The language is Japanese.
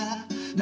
何？